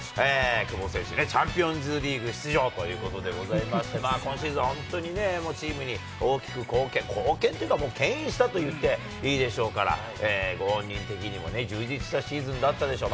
久保選手ね、チャンピオンズリーグ出場ということでございまして、今シーズン、本当にね、チームに大きく貢献、貢献というか、けん引したと言っていいでしょうから、ご本人的にも充実したシーズンだったでしょう。